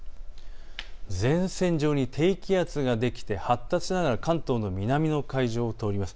前線上に低気圧ができて発達しながら関東の南側の海上を通ります。